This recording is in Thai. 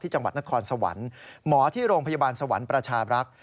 จังหวัดนครสวรรค์หมอที่โรงพยาบาลสวรรค์ประชาบรักษ์